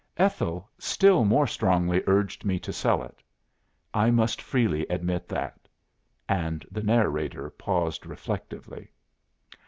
Ethel still more strongly urged me to sell it. I must freely admit that." And the narrator paused reflectively.